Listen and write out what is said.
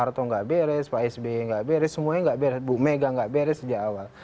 pak hartong enggak beres pak sby enggak beres semuanya enggak beres bu mega enggak beres sejak awal